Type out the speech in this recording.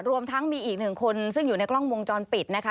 รวมทั้งมีอีกหนึ่งคนซึ่งอยู่ในกล้องวงจรปิดนะคะ